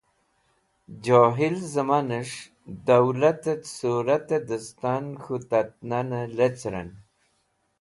Johil zẽmanẽs̃h dowlatẽt sũratẽ dẽstan k̃hũ tat nanẽ lecrẽn